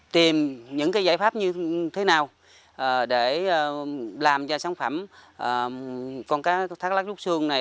tìm những cái giải pháp như thế nào để làm cho sản phẩm con cá thác lát rút xương này